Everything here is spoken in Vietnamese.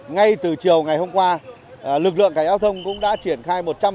ngay từ chiều ngày hôm qua lực lượng cảnh giao thông cũng đã triển khai